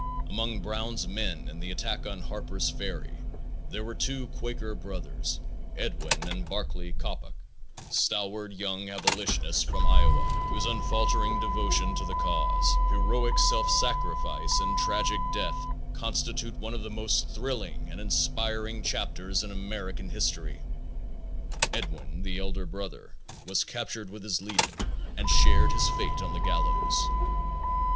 Among Brown's men in the attack on Harper's Ferry there were two Quaker brothers, Edwin and Barclay Coppock, stalwart young abolitionists from Iowa, whose unfaltering devotion to the cause, heroic self sacrifice and tragic death constitute one of the most thrilling and inspiring chapters in American history. Edwin, the elder brother, was captured with his leader and shared his fate on the gallows.